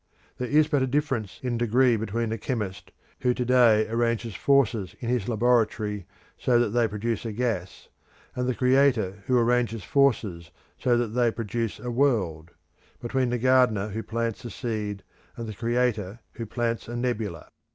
There is but a difference in degree between the chemist who to day arranges forces in his laboratory so that they produce a gas, and the creator who arranges forces so that they produce a world; between the gardener who plants a seed, and the creator who plants a nebula.